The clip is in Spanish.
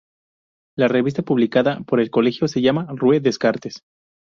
La revista publicada por el Colegio se llama "Rue Descartes".